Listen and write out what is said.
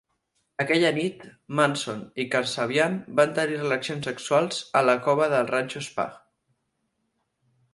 Aquella nit, Manson i Kasabian van tenir relacions sexuals a la cova del ranxo Spahn.